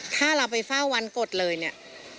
ถ้าเราไปเฝ้าวันกฎเลยเนี่ย